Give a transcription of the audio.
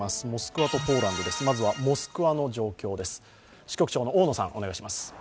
モスクワとポーランドです、まずはモスクワの状況です。